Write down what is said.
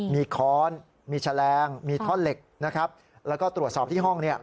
มีค้อนมีแฉลงมีท่อนเหล็กนะครับแล้วก็ตรวจสอบที่ห้องเนี่ย